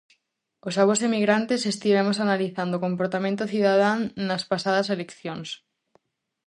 Os avós emigrantes estivemos analizando o comportamento cidadán nas pasadas eleccións.